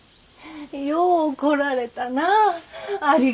よう来られたなあ。